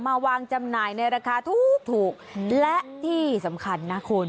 มาวางจำหน่ายในราคาถูกและที่สำคัญนะคุณ